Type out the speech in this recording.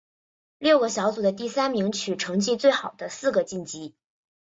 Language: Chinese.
六个小组的第三名取成绩最好的四个晋级。